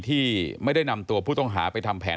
ที่ไม่ได้นำตัวผู้ต้องหาไปทำแผน